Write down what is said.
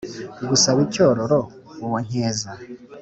gusaba icyororo uwo nkeza